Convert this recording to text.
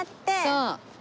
そう！